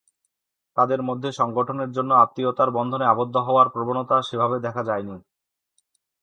তাদের মধ্যে সংগঠনের জন্য আত্মীয়তার বন্ধনে আবদ্ধ হওয়ার প্রবণতা সেভাবে দেখা যায়নি।